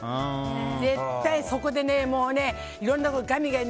絶対、そこでいろんなことガミガミ